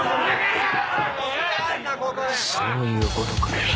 そういうことかよ。